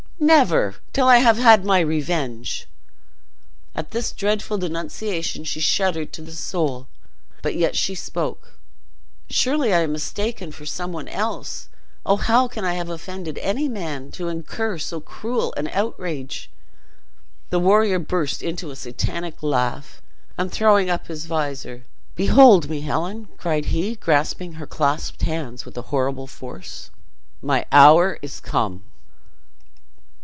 "Never, till I have had my revenge!" At this dreadful denunciation she shuddered to the soul, but yet she spoke: "Surely I am mistaken for some one else! Oh, how can I have offended any man to incur so cruel an outrage?" The warrior burst into a satanic laugh, and, throwing up his visor, "Behold me, Helen!" cried he, grasping her clasped hands with a horrible force, "My hour is come!"